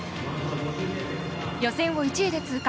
予選を１位で通過。